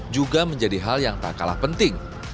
juga menjadi hal yang tak kalah penting